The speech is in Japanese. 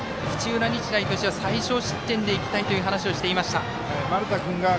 土浦日大としては最少失点でいきたいと話をしていました。